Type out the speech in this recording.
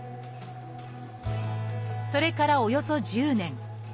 それからおよそ１０年。